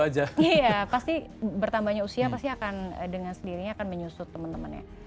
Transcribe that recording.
iya pasti bertambahnya usia pasti akan dengan sendirinya akan menyusut temen temennya